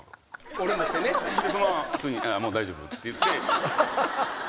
そのまま普通に「もう大丈夫」って言って。